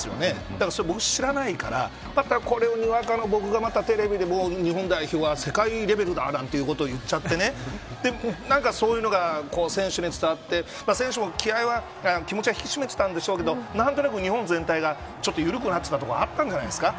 僕はそれ知らないからこれをにわかの僕らがテレビで日本代表は世界レベルだなんて言っちゃって何かそういうのが選手に伝わって選手も気持ちは引き締めてたんでしょうけど何となく日本全体が、ちょっと緩くなったとこがあったんじゃないですか。